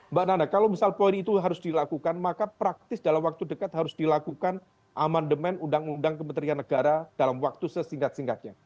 mbak nana kalau misal poin itu harus dilakukan maka praktis dalam waktu dekat harus dilakukan amandemen undang undang kementerian negara dalam waktu sesingkat singkatnya